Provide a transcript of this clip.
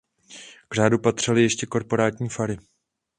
K řádu patřily ještě korporátní fary.